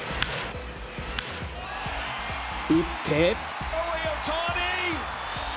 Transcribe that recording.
打って。